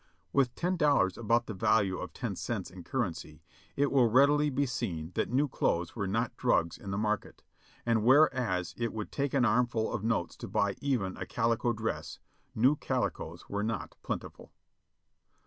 With ten dollars about the value of ten cents in currency, it will readily be seen that new clothes were not drugs in the market, and whereas it would take an armful of notes to buy even a calico dress, new calicoes were not plentiful.